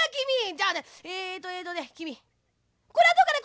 じゃあねえっとえっとねきみこれはどうかね？